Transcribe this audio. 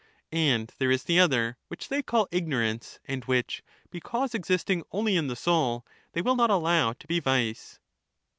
And there is the other, which they call ignorance, and which, because existing only in the soul *, they will not allow to be vice.